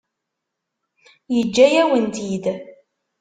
Yeǧǧa-yawen-tt-id?